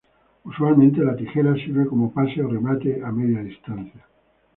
Usualmente, la tijera sirve como pase o remate a media distancia.